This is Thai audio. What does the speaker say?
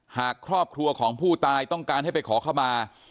หากครอบครัวของผู้ตายต้องการให้ไปขอเข้ามา